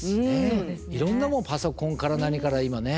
いろんなもうパソコンから何から今ね。